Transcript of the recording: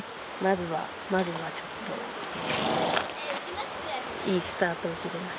まずはちょっといいスタートを切れました。